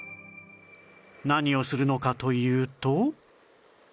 何をするのかというと